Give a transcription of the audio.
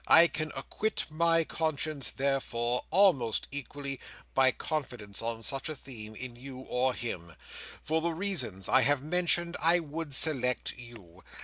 I can acquit my conscience therefore, almost equally, by confidence, on such a theme, in you or him. For the reasons I have mentioned I would select you.